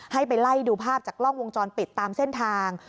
ให้ไปไล่ดูภาพจากกล้องวงจรปิดตามเส้นทาง